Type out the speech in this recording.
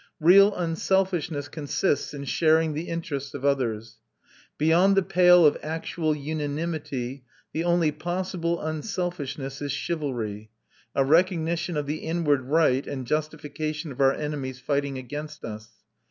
Real unselfishness consists in sharing the interests of others. Beyond the pale of actual unanimity the only possible unselfishness is chivalry a recognition of the inward right and justification of our enemies fighting against us.